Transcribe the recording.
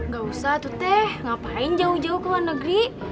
gak usah tuh teh ngapain jauh jauh ke luar negeri